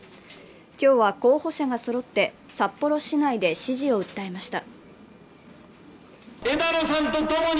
今日は候補者がそろって札幌市で支持を訴えました。